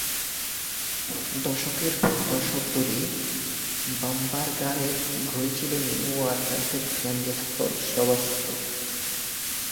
দশকের পর দশক ধরে, বাম্বারগারের ঘড়ি ছিল নিউয়ার্কারদের কেন্দ্রস্থলের সভাস্থল।